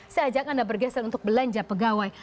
saya ajak anda bergeser untuk belanja pegawai